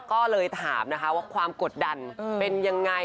ก็เลยถามนะคะว่าความกดดันเป็นยังไง